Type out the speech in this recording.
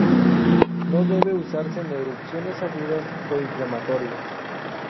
No debe usarse en erupciones agudas o inflamatorias.